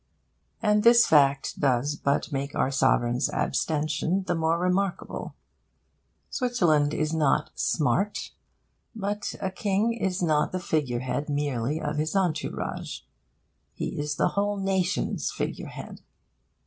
And this fact does but make our Sovereign's abstention the more remarkable. Switzerland is not 'smart,' but a King is not the figure head merely of his entourage: he is the whole nation's figure head.